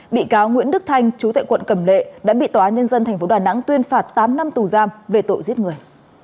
bị cáo nguyễn đức thanh chú tại quận cầm lệ đã bị tòa nhân dân tp đà nẵng tuyên phạt tám năm tù giam về tội giết người